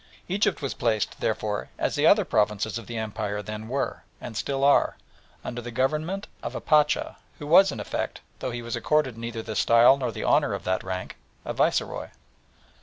Egypt was placed, therefore, as the other provinces of the Empire then were, and still are, under the government of a Pacha, who was in effect, though he was accorded neither the style nor the honour of that rank, a viceroy.